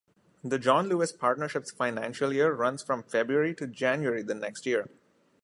The John Lewis Partnership's financial year runs from February to January the next year.